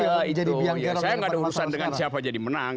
iya saya tidak ada urusan dengan siapa jadi menang